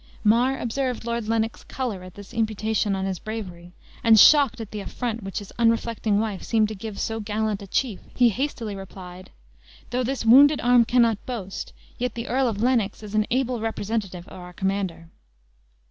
Mar observed Lord Lennox color at this imputation on his bravery, and shocked at the affront which his unreflecting wife seemed to give so gallant a chief, he hastily replied, "Though this wounded arm cannot boast, yet the Earl of Lennox is an able representative of our commander."